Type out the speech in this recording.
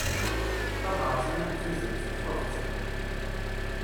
Tabrat i am-d-tuzen teṭṭfeḍ-tt.